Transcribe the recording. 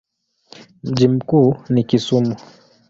Mji mkuu ni Kisumu.